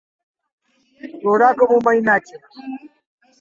Plorar com un mainatge.